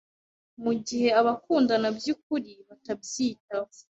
mu gihe abakundana by’ukuri batabyitaho